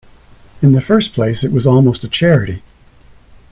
In the first place it was almost a charity.